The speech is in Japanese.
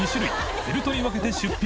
フェルトに分けて出品祺